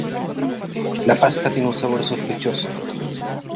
La pasta tiene un sabor sospechoso.